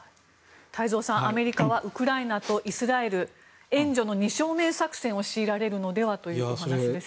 太蔵さん、アメリカはウクライナとイスラエル援助の二正面作戦を強いられるのではというお話です。